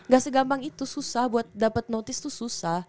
gak segampang itu susah buat dapet notice itu susah